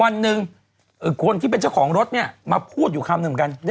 วันหนึ่งคนที่เป็นเจ้าของรถเนี่ยมาพูดอยู่คำหนึ่งเหมือนกัน